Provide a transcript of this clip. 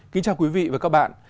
kính chào quý vị và các bạn